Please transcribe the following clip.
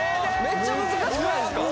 めっちゃ難しくないですか？